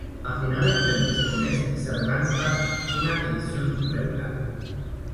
A finales del mismo mes se relanza en una edición regular.